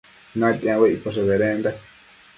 Natiambo iccoshe bedenda